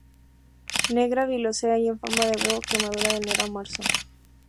Negra violácea y en forma de huevo que madura de enero a marzo.